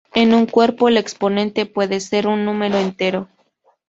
En un cuerpo el exponente puede ser un número entero.